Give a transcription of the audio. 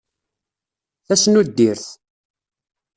Tasnuddirt.